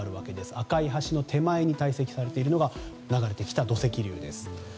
赤い橋の手前に堆積されているのが流れてきた土石流です。